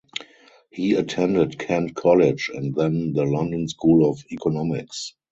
He attended Kent College and then the London School of Economics.